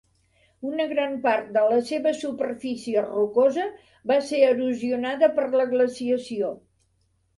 Una gran part de la seva superfície rocosa va ser erosionada per la glaciació.